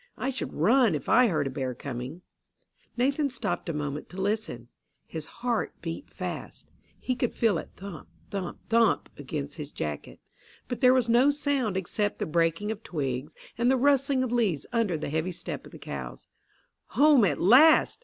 I should run if I heard a bear coming." Nathan stopped a moment to listen. His heart beat fast. He could feel it thump, thump, thump against his jacket. But there was no sound except the breaking of twigs and the rustling of leaves under the heavy step of the cows. "Home at last!"